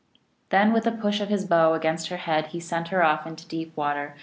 Then with a push of his bow against her head he sent her off into deep water.